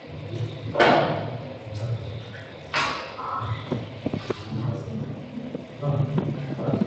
Տասնհինգ տարեկան հասակում նրան ընդունել են հայրենի քաղաքի դպրոց։